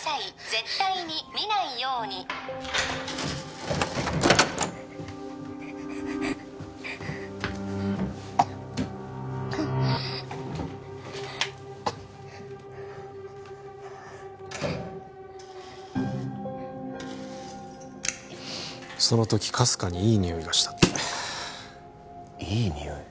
絶対に見ないようにその時かすかにいいにおいがしたっていいにおい？